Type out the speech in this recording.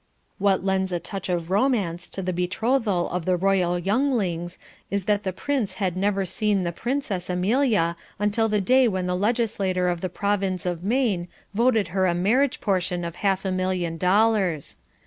What lends a touch of romance to the betrothal of the Royal Younglings is that the Prince had never even seen the Princess Amelia until the day when the legislature of the Provinz of Maine voted her a marriage portion of half a million dollars.